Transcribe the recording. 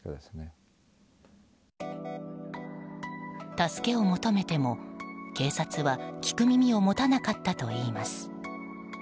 助けを求めても、警察は聞く耳を持たなかったといいます。